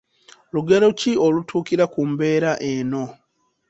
Lugero ki olutuukira ku mbeera eno?